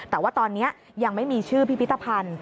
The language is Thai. แต่ว่าตอนนี้ยังไม่มีชื่อพิพิธภัณฑ์